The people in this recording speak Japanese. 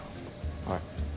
はい。